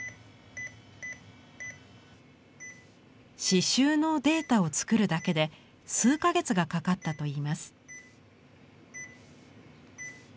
刺しゅうのデータを作るだけで数か月がかかったといいます。